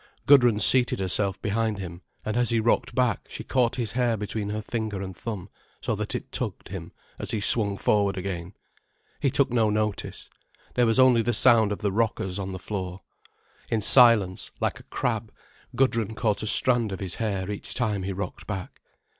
Gudrun seated herself behind him, and as he rocked back, she caught his hair between her finger and thumb, so that it tugged him as he swung forward again. He took no notice. There was only the sound of the rockers on the floor. In silence, like a crab, Gudrun caught a strand of his hair each time he rocked back.